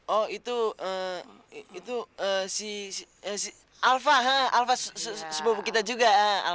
oh itu itu si si si si alva alva sebab kita juga